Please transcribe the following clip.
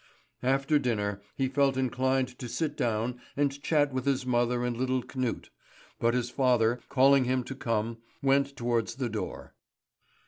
After dinner he felt inclined to sit down and chat with his mother and little Knut; but his father, calling to him to come, went towards the door.